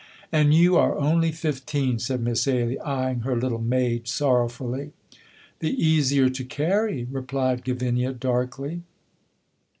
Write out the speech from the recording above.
"And you are only fifteen!" said Miss Ailie, eying her little maid sorrowfully. "The easier to carry," replied Gavinia, darkly.